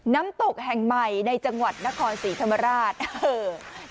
น้ำตกแห่งใหม่ในจังหวัดนครศรีธรรมราช